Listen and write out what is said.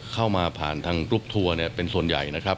เข้ามาผ่านทางรุ่บทัวร์เป็นส่วนใหญ่